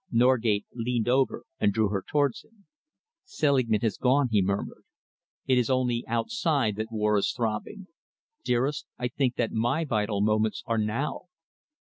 Norgate leaned over and drew her towards him. "Selingman has gone," he murmured. "It is only outside that war is throbbing. Dearest, I think that my vital moments are now!"